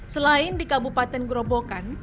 selain di kabupaten grobokan